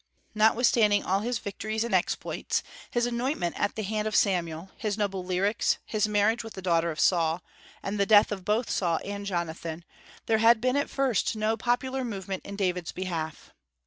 Notwithstanding all his victories and exploits, his anointment at the hand of Samuel, his noble lyrics, his marriage with the daughter of Saul, and the death of both Saul and Jonathan, there had been at first no popular movement in David's behalf.